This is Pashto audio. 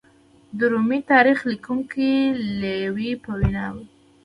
د رومي تاریخ لیکونکي لېوي په وینا